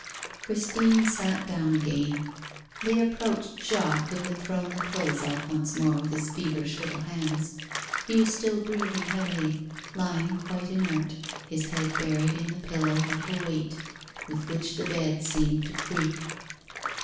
Christine sat down again; they approached Jacques, who had thrown the clothes off once more with his feverish little hands. He was still breathing heavily, lying quite inert, his head buried in the pillow like a weight, with which the bed seemed to creak.